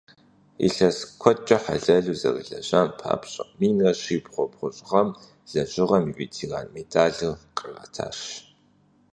Илъэс куэдкӏэ хьэлэлу зэрылэжьам папщӏэ, минрэ щибгъурэ бгъущӏ гъэм «Лэжьыгъэм и ветеран» медалыр къратащ.